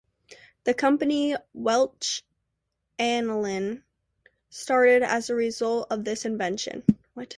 The company Welch Allyn started as a result of this invention.